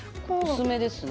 薄めですね。